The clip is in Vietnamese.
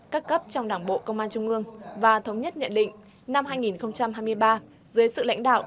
các cấp trong đảng bộ công an trung ương và thống nhất nhận định năm hai nghìn hai mươi ba dưới sự lãnh đạo